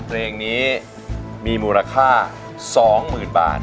เพลงนี้มีมูลค่าสองหมื่นบาท